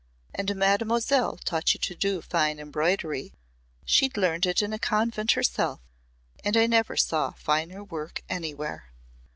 And Mademoiselle taught you to do fine embroidery. She'd learned it in a convent herself and I never saw finer work anywhere."